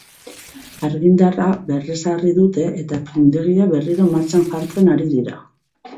Argindarra berrezarri dute eta findegia berriro martxan jartzen ari dira.